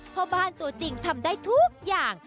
พ่อบ้านตัวจริงทำได้ทุกอย่าง